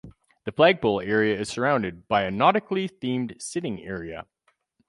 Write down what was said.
The flagpole area is surrounded by a nautically themed sitting area.